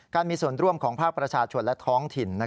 มีส่วนร่วมของภาคประชาชนและท้องถิ่น